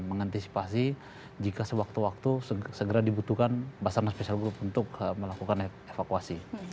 mengantisipasi jika sewaktu waktu segera dibutuhkan basarnas special group untuk melakukan evakuasi